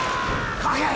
速い！